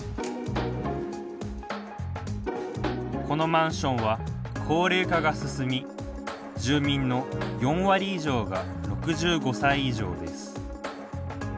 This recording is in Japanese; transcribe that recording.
このマンションは高齢化が進み住民の４割以上が６５歳以上です。